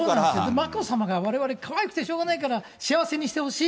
眞子さまがわれわれ、かわいくてしょうがないから幸せにしてほしい。